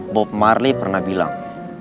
bob marley pernah bilang